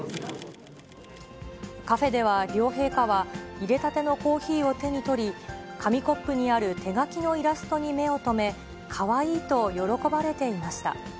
カフェでは両陛下はいれたてのコーヒーを手に取り、紙コップにある手書きのイラストに目を留め、かわいいと喜ばれていました。